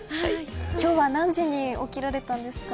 今日は何時に起きられたんですか。